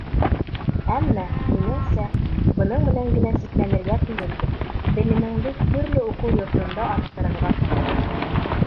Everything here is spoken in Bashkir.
Әммә, минеңсә, бының менән генә сикләнергә түгелдер, белемеңде төрлө уҡыу йортонда арттырырға кәрәк.